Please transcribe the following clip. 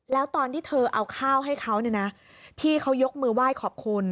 แล้วตอนที่เธอเอาข้าวให้เขาเนี่ยนะพี่เขายกมือไหว้ขอบคุณ